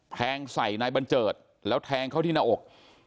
แทงใส่นายบัญเจิดแล้วแทงเข้าที่หน้าอก